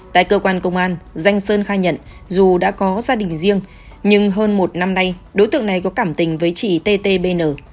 tại cơ quan công an danh sơn khai nhận dù đã có gia đình riêng nhưng hơn một năm nay đối tượng này có cảm tình với chị t t b n